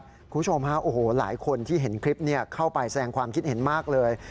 คุณผู้ชมฮะโอ้โหหลายคนที่เห็นคลิปนี้เข้าไปแสดงความคิดเห็นมากเลย